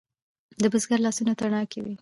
د بزګر لاسونه تڼاکې وي.